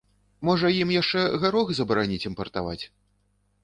Можа, ім яшчэ гарох забараніць імпартаваць?